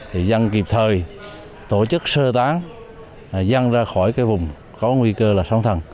thì dân kịp thời tổ chức sơ tán dân ra khỏi cái vùng có nguy cơ là sóng thần